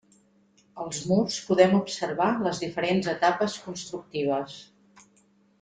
Als murs podem observar les diferents etapes constructives.